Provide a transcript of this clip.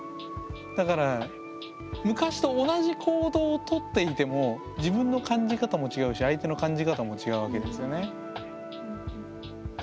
だから昔と同じ行動をとっていても自分の感じ方も違うし相手の感じ方も違うわけですよね。